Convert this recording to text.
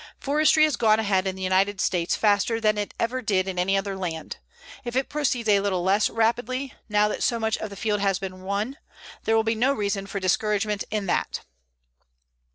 Forestry has gone ahead in the United States faster than it ever did in any other land. If it proceeds a little less rapidly, now that so much of the field has been won, there will be no reason for discouragement in that.